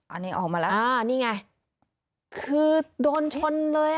อันนี้ออกมาแล้วอ่านี่ไงคือโดนชนเลยอ่ะ